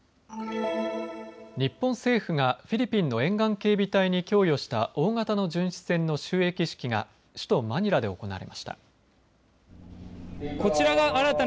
日本政府がフィリピンの沿岸警備隊に供与した大型の巡視船の就役式が首都マニラで行われました。